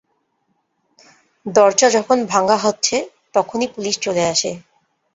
দরজা যখন ভাঙা হচ্ছে তখনই পুলিশ চলে আসে।